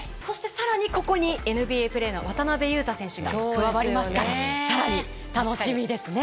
更にここにＮＢＡプレーヤーの渡邊雄太選手が加わりますから更に楽しみですね。